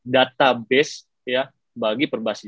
database ya bagi perbahasa